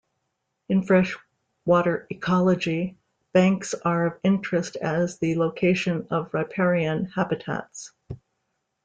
In freshwater ecology, banks are of interest as the location of riparian habitats.